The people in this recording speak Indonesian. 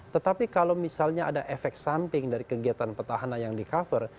tetapi kalau misalnya ada efek samping dari kegiatan petahana yang di cover